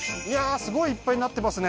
すごいいっぱい生ってますね